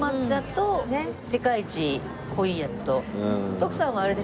徳さんはあれでしょ？